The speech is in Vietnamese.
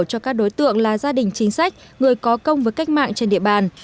cho các đối tượng là gia đình chính sách người có công với cách mạng trên địa bàn